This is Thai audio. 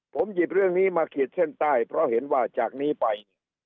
ผมหยิบเรื่องนี้มาขีดเส้นใต้เพราะเห็นว่าจากนี้ไป